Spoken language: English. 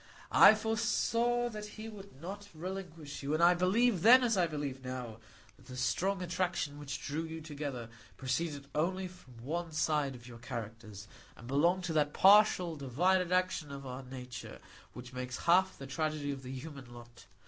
I foresaw that he would not relinquish you, and I believed then, as I believe now, that the strong attraction which drew you together proceeded only from one side of your characters, and belonged to that partial, divided action of our nature which makes half the tragedy of the human lot.